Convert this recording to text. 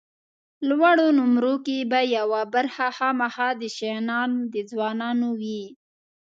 لوړو نومرو کې به یوه برخه خامخا د شغنان د ځوانانو وي.